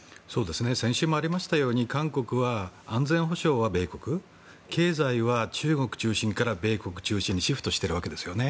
先週もありましたように韓国は安全保障は米国経済は中国中心から米国中心にシフトしているわけですね。